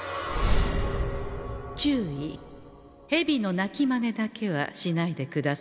注意ヘビの鳴きマネだけはしないでくださんせ。